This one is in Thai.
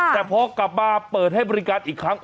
แต่พอกลับมาเปิดให้บริการอีกครั้ง